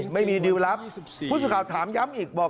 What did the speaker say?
ไม่มีรีวิวรับคุณสุข่าวถามย้ำอีกบอก